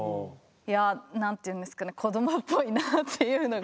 いや何ていうんですかね子どもっぽいなっていうのが第一印象。